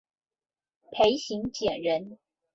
裴行俭人。